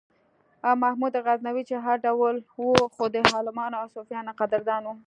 محمود غزنوي چې هر ډول و خو د عالمانو او صوفیانو قدردان و.